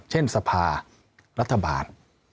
เช่นสภารัฐบาล